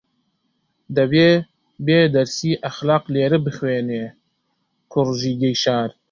دەبێ بێ دەرسی ئەخلاق لێرە بخوێنێ کوڕیژگەی شار